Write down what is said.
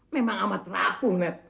memang amat rapuh net